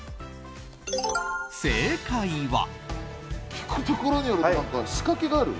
正解は。